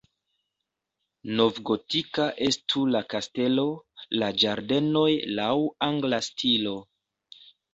Novgotika estu la kastelo, la ĝardenoj laŭ angla stilo.